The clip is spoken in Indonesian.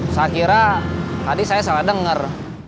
saya kira tadi saya salah dengar